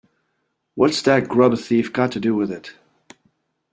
What's that grub-thief got to do with it.